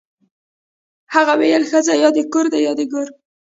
هغه ویل ښځه یا د کور ده یا د ګور